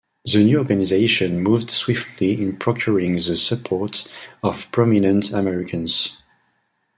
The new organization moved swiftly in procuring the support of prominent Americans.